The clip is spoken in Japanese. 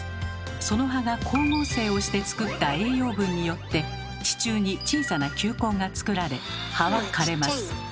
その葉が光合成をしてつくった栄養分によって地中に小さな球根がつくられ葉は枯れます。